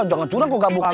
jangan curang kau gabungkan